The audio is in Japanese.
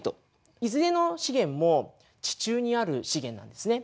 いずれの資源も地中にある資源なんですね。